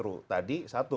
kalau punya belom ada satu